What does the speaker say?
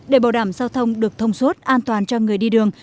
để bảo đảm giao thông được thông suốt an toàn cho người đi đường